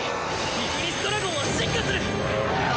イグニスドラゴンは進化する！